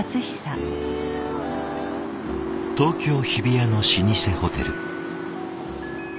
東京・日比谷の老舗ホテル。